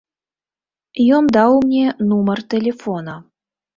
Ён даў мне нумар тэлефона.